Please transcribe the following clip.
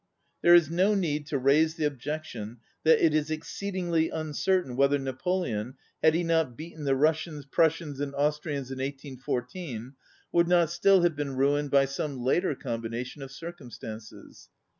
There is no need to raise the ob jection that it is exceedingly uncer tain whether Napoleon, had he not beaten the Russians, Prussians, and 58 ON READING Austrians in 1814, would not still have been ruined by some later combination of circumstances.